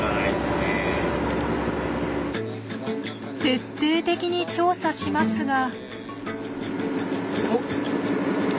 徹底的に調査しますが。